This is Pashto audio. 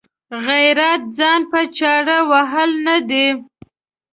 غیرت ځان په چاړه وهل نه دي.